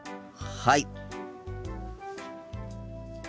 はい。